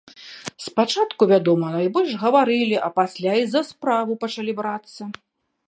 Спачатку, вядома, найбольш гаварылі, а пасля і за справу пачалі брацца.